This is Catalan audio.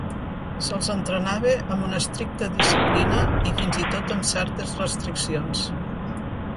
Se'ls entrenava amb una estricta disciplina i fins i tot amb certes restriccions.